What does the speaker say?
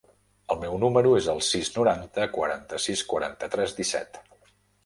El meu número es el sis, noranta, quaranta-sis, quaranta-tres, disset.